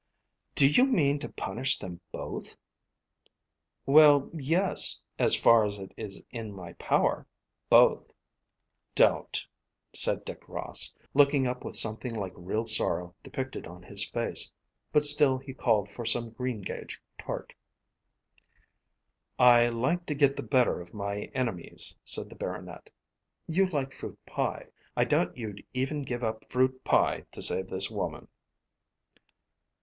"Do you mean to punish them both?" "Well, yes; as far as it is in my power, both." "Don't," said Dick Ross, looking up with something like real sorrow depicted on his face. But still he called for some greengage tart. "I like to get the better of my enemies," said the Baronet. "You like fruit pie. I doubt if you'd even give up fruit pie to save this woman."